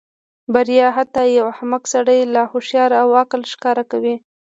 بریا حتی یو احمق سړی لا هوښیار او عاقل ښکاره کوي.